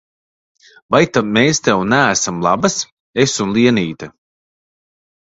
Vai ta mēs tev neesam labas, es un Lienīte?